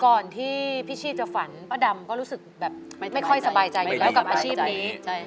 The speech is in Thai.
ก่อนที่พี่ชี่จะฝันป้าดำก็รู้สึกแบบไม่ค่อยสบายใจอยู่แล้วกับอาชีพนี้